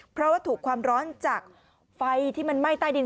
เพราะว่าถูกความร้อนจากไฟที่มันไหม้ใต้ดิน